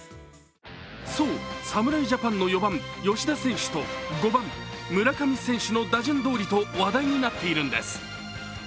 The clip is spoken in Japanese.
そう、侍ジャパンの４番・吉田選手と５番・手村上選手の打順どおりと話題になっているんです。